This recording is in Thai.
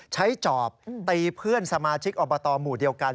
จอบตีเพื่อนสมาชิกอบตหมู่เดียวกัน